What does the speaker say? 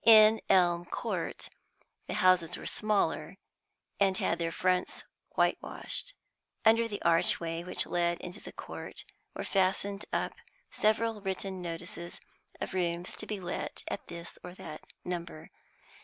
In Elm Court the houses were smaller, and had their fronts whitewashed. Under the archway which led into the Court were fastened up several written notices of rooms to be let at this or that number.